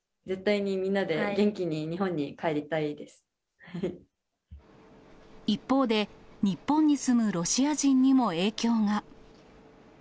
絶対にみんなで、元気に日本一方で、日本に住むロシア人にも影響が。